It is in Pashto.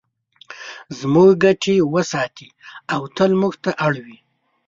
زموږ ګټې وساتي او تل موږ ته اړ وي.